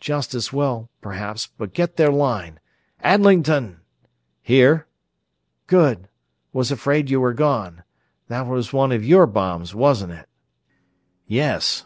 "Just as well, perhaps, but get their line. Adlington!" "Here!" "Good! Was afraid you were gone that was one of your bombs, wasn't it?" "Yes.